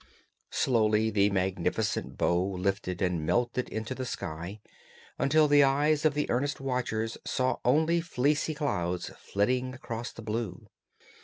Slowly the magnificent bow lifted and melted into the sky, until the eyes of the earnest watchers saw only fleecy clouds flitting across the blue.